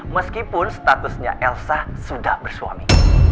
meskipun statusnya elsa sudah bersuami